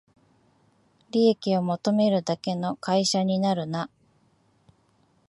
利益を求めるだけの会社になるな